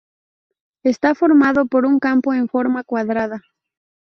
Está formado por un campo en forma cuadrada.